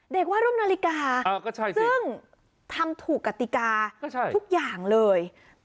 เด็กวาดรูปนาฬิกาซึ่งทำถูกกติกาทุกอย่างเลยอ่ะก็ใช่